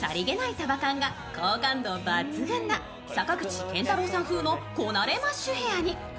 束間が好感度抜群な坂口健太郎風のこなれマッシュヘアに。